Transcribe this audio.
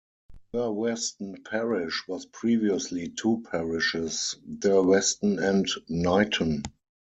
Durweston parish was previously two parishes: Durweston and Knighton.